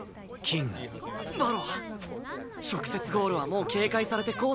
馬狼直接ゴールはもう警戒されてコースがないよ。